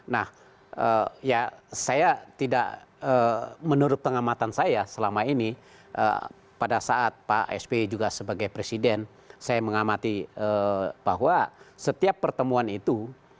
nah ya saya tidak menurut pengamatan saya selama ini pada saat pak sp juga sebagai presiden saya mengamati bahwa setiap pertemuan itu